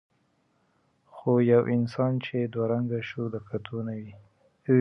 خو یو انسان چې دوه رنګه شو د کتو نه وي.